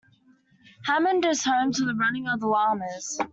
Hammond is home to the Running of the Llamas.